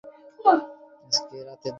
কারণ তোমাকে নিয়ে আমার চিন্তা হচ্ছিল।